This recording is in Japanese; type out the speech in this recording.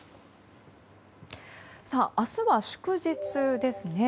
明日は祝日ですね。